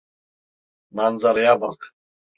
Manzaraya bak.